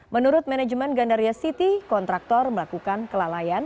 menurut manajemen gandaria city kontraktor melakukan kelalaian